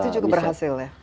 itu cukup berhasil ya